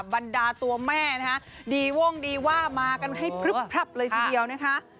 บรรดาตัวแม่นะคะดีวงดีว่ามากันให้พลึบพลับเลยทีเดียวนะคะ